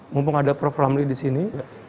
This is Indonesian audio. mumpung ada prof ramli disini